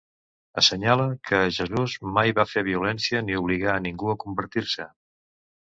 Assenyala que Jesús mai va fer violència ni obligar a ningú a convertir-se.